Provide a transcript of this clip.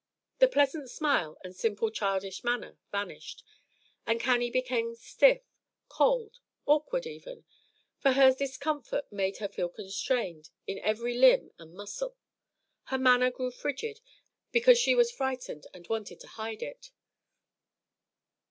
The pleasant smile and simple childish manner vanished, and Cannie became stiff, cold, awkward even; for her discomfort made her feel constrained in every limb and muscle. Her manner grew frigid, because she was frightened and wanted to hide it.